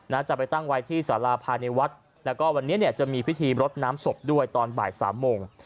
น่าจะไปตั้งไว้ที่สาราพาณีวัฒน์และวันนี้จะมีพิธีรดน้ำศพด้วยตอนบ่าย๓โมง